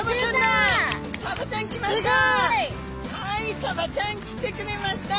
はいサバちゃん来てくれました。